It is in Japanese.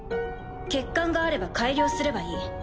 欠陥があれば改良すればいい。